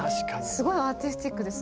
すごいアーティスティックですね。